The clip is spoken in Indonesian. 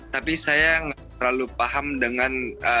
tapi saya nggak terlalu paham dengan